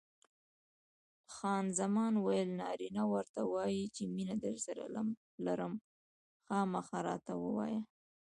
خان زمان وویل: نارینه ورته وایي چې مینه درسره لرم؟ خامخا راته ووایه.